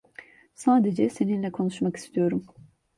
Sadece seninle konuşmak istiyorum.